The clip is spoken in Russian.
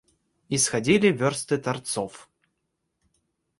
Исходили вёрсты торцов.